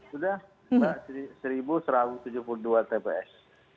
sudah seribu satu ratus tujuh puluh dua tps